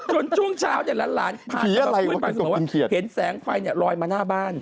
จนช่วงเช้าเนี่ยล้านผ่านมาคุณไปสมมุติว่าเห็นแสงไฟเนี่ยรอยมาหน้าบ้าน